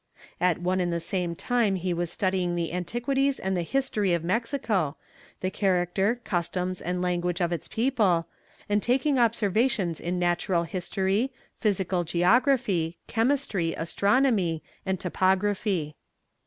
At one and the same time he was studying the antiquities and the history of Mexico, the character, customs, and language of its people, and taking observations in natural history, physical geography, chemistry, astronomy, and topography.